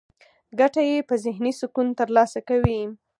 ګټه يې په ذهني سکون ترلاسه کوي.